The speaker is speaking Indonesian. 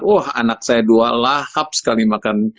oh anak saya dua lahap sekali makan